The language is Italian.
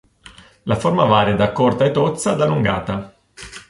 La forma varia da corta e tozza ad allungata.